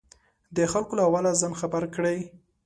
د خلکو له احواله ځان خبر کړي.